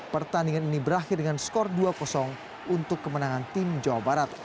pertandingan ini berakhir dengan skor dua untuk kemenangan tim jawa barat